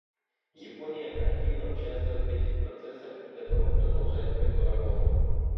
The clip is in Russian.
Япония активно участвует в этих процессах и готова продолжать эту работу.